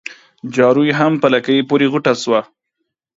جارو يې هم په لکۍ پوري غوټه سو